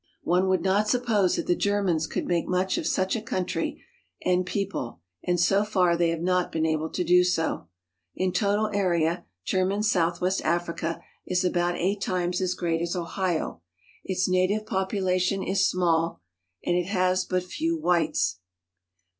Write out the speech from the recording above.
One would not suppose that the Germans could make much of such a country and people, and so far they have not been able to do so. In total area, German South west Africa is about eight times as great as Ohio; its native population is small, and it has but few whites.